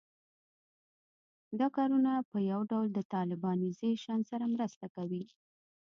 دا کارونه په یو ډول د طالبانیزېشن سره مرسته کوي